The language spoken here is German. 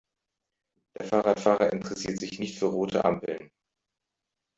Der Fahrradfahrer interessiert sich nicht für rote Ampeln.